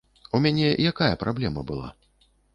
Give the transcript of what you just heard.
У мяне якая праблема была?